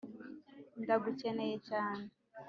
ndagukeneye cyane.